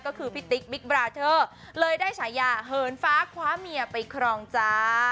ก็คือพี่ติ๊กมิกบราเทอร์เลยได้ฉายาเหินฟ้าคว้าเมียไปครองจ้า